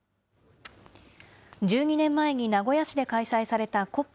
１２年前に名古屋市で開催されたＣＯＰ